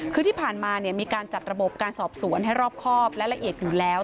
คือที่ผ่านมามีการจัดระบบการสอบสวนให้รอบครอบและละเอียดอยู่แล้ว